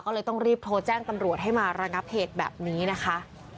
ก็เลยต้องรีบโทรแจ้งตำรวจให้มาระงับเหตุแบบนี้นะคะ